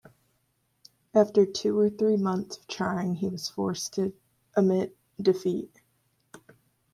After two or three months of trying he was forced to admit defeat.